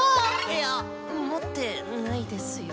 いや持ってないですよ。